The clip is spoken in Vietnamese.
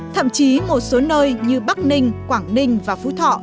thậm chí một số nơi như bắc ninh quảng ninh và phú thọ